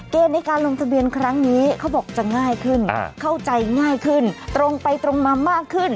ในการลงทะเบียนครั้งนี้เขาบอกจะง่ายขึ้นเข้าใจง่ายขึ้นตรงไปตรงมามากขึ้น